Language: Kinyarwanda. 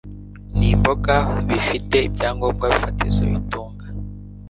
n’imboga, bifite ibyangombwa fatizo bitunga